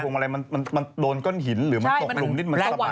ถึงพรมอะไรมันโดนก้นหินหรือมันตกหลุมนิดมันสะบัดได้